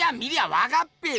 わかっぺよ！